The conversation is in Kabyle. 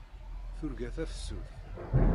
Turga tafsut.